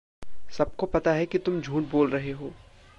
सबको पता है कि तुम झूठ बोल रहे हो।